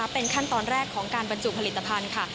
เป็นขั้นตอนแรกของการบรรจุผลิตภัณฑ์ค่ะ